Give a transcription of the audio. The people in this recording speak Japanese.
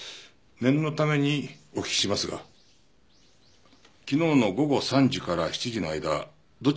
念のためにお聞きしますが昨日の午後３時から７時の間どちらにいらっしゃいましたか？